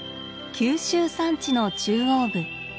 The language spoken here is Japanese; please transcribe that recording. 九州山地の中央部。